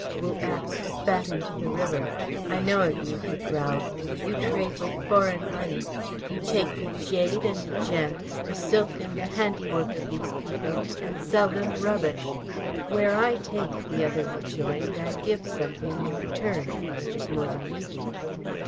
Wu Abst spat into the river. "I know of you," he growled. "You trade with foreign money. You take the jade and the gems, the silk and the handiwork of these people and sell them rubbish." "Where I take," the other rejoined, "I give something in return, which is more than you do."